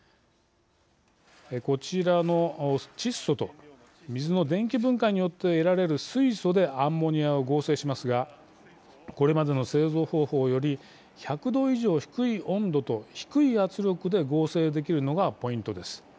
こちらの窒素と水の電気分解によって得られる水素でアンモニアを合成しますがこれまでの製造方法より１００度以上低い温度と低い圧力で合成できるのがポイントです。